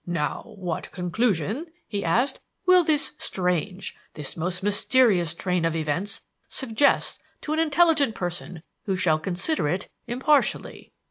"Now, what conclusion," he asked, "will this strange, this most mysterious train of events suggest to an intelligent person who shall consider it impartially?